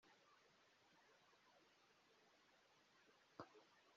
dufite ishema ry’uko ugiye guhagararira igihugu cya Canada…”